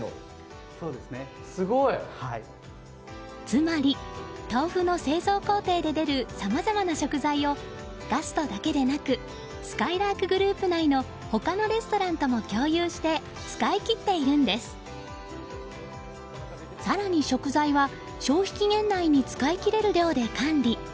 つまり、豆腐の製造工程で出るさまざまな食材をガストだけでなくすかいらーくグループ内の他のレストランとも共有して使い切っているんです。更に食材は消費期限内に使いきれる量で管理。